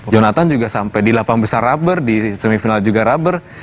jonathan juga sampai di lapang besar rubber di semifinal juga rubber